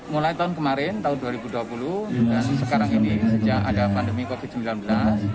mulai tahun kemarin tahun dua ribu dua puluh dan sekarang ini sejak ada pandemi covid sembilan belas